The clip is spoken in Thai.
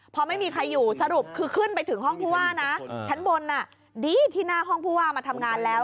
พอไม่มีใครอยู่สรุปคือขึ้นไปถึงห้องผู้ว่านะชั้นบนดีที่หน้าห้องผู้ว่ามาทำงานแล้ว